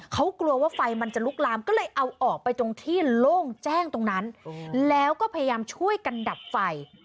เขากลัวว่าไฟมันจะลุกลามก็เลยเอาออกไปตรงที่โล่งแจ้งตรงนั้นแล้วก็พยายามช่วยกันดับไฟ